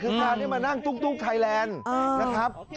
คือการได้มานั่งตุ๊กไทยแลนด์นะครับ